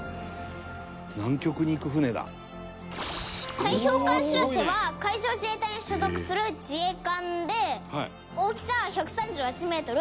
「砕氷艦しらせは海上自衛隊に所属する自衛艦で大きさ１３８メートル